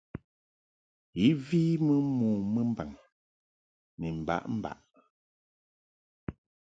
I vi mɨ mo mɨmbaŋ ni mbaʼmbaʼ.